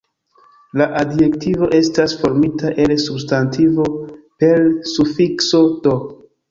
La adjektivo estas formita el substantivo per sufikso "-d".